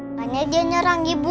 makanya dia nyerang ibu